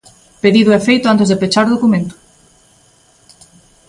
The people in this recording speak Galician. Pedido e feito antes de pechar o documento.